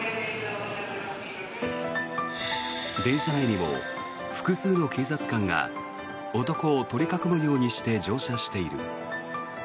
電車内にも複数の警察官が男を取り囲むようにして乗車している。